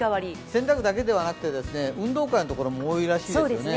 洗濯だけでなくて運動会のところも多いらしいですね。